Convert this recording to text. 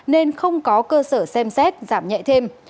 nên không có cơ sở xem xét giảm nhẹ thêm